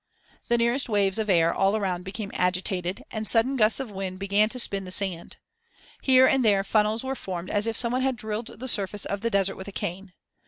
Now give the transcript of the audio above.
The nearest waves of air all around became agitated and sudden gusts of wind began to spin the sand. Here and there funnels were formed as if someone had drilled the surface of the desert with a cane.